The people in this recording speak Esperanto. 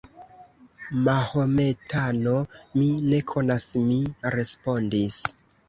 Mahometano, mi ne konas, mi respondis.